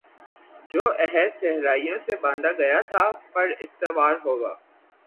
جو عہد صحرائیوں سے باندھا گیا تھا پر استوار ہوگا